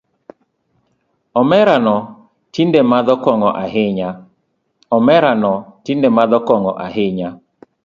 Omerano tinde madho kong’o ahinya